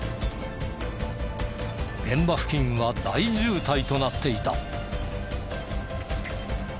現場付近は大渋滞となっていた。